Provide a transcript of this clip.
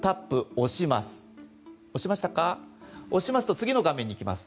押しますと次の画面に行きます。